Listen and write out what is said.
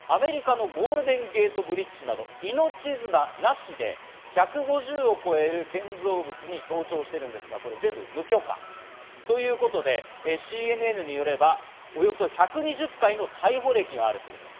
ロベールさん、これまでエッフェル塔とか、アメリカのゴールデンゲートブリッジなど、命綱なしで１５０を超える建造物に登頂してるんですが全部無許可ということでＣＮＮによれば、およそ１２０回の逮捕歴があるそうです。